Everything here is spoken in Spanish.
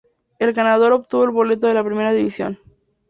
El ganador obtuvo el boleto a la primera división.